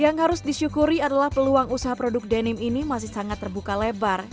yang harus disyukuri adalah peluang usaha produk denim ini masih sangat terbuka lebar